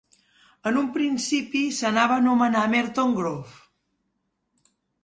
En un principi, s'anava a nomenar Merton Grove.